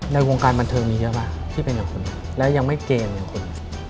ในวงการบรรเทอมมีเยอะหรือเปล่าที่เป็นอย่างคนนี้และยังไม่เก่งอย่างคนนี้